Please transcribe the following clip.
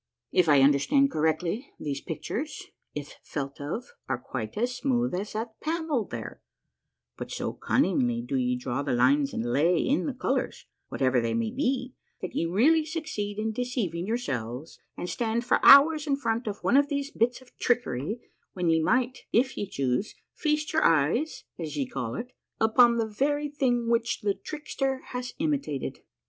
If I understand correctly these pictures, if felt of, are quite as smooth as that panel there, but so cunningly do ye draw the lines and lay in the colors, whatever they may be, that ye really succeed in deceiving yourselves and stand for hours in front of one of these bits of trickery wlien ye might, if ye chose, feast your eyes, as ye call it, upon the very thing which the trickster has imitated.